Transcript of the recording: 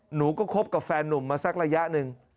หนูก็คบกับแฟนนุ่มมาสักระยะหนึ่ง